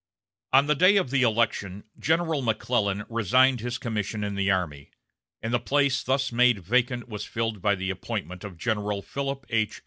On the day of election General McClellan resigned his commission in the army, and the place thus made vacant was filled by the appointment of General Philip H.